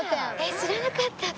知らなかった私。